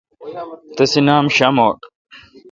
تسے نام شاموٹ۔